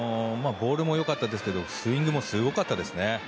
ボールも良かったですがスイングもすごかったですね。